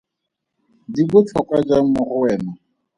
Di botlhokwa jang mo go wena?